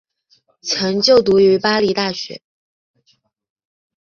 曾就读于巴黎大学。